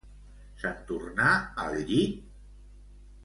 Se'n tornà al llit?